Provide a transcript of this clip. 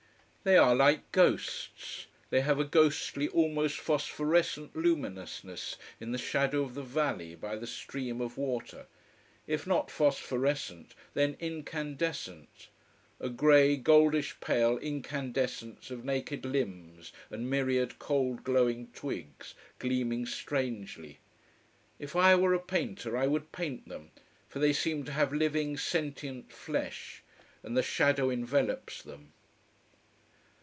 They are like ghosts. They have a ghostly, almost phosphorescent luminousness in the shadow of the valley, by the stream of water. If not phosphorescent, then incandescent: a grey, goldish pale incandescence of naked limbs and myriad cold glowing twigs, gleaming strangely. If I were a painter I would paint them: for they seem to have living, sentient flesh. And the shadow envelopes them.